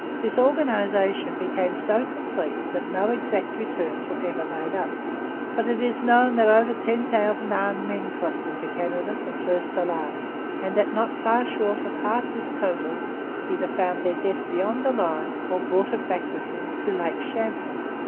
Disorganization became so complete that no exact returns were ever made up. But it is known that over ten thousand armed men crossed into Canada from first to last and that not far short of half this total either found their death beyond the line or brought it back with them to Lake Champlain.